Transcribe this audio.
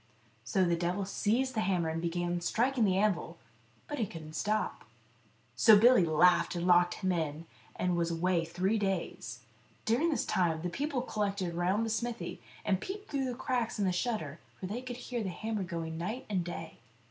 So the devil seized the hammer and began striking the anvil, but he couldn't stop. So Billy laughed, and locked him in, and was away three days. During this time the people collected round the smithy, and peeped through the cracks in the shutter, for they could hear the hammer going night and day.